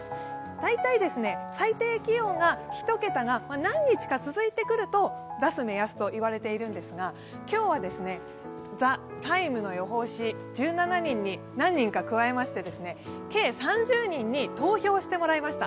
大体、最低気温が１桁が何日か続いてくると出す目安といわれているんですが、今日は「ＴＨＥＴＩＭＥ，」の予報士１７人に何人か加えまして計３０人に投票してもらいました。